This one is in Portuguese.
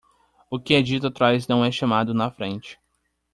O que é dito atrás não é chamado na frente.